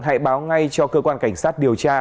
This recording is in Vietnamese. hãy báo ngay cho cơ quan cảnh sát điều tra